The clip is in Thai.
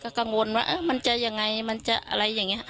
กังวลว่ามันจะยังไงมันจะอะไรอย่างนี้